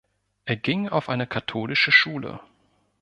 Er ging auf eine katholische Schule.